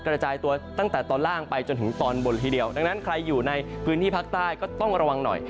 กระจายตัวตั้งแต่ตอนล่างไปจนถึงตอนบนทีเดียวดังนั้นใครอยู่ในพื้นที่ภาคใต้ก็ต้องระวังหน่อย